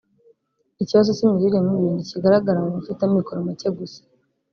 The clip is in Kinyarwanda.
Ikibazo cy’imirire mibi ntikigaragara mu bafite amikoro make gusa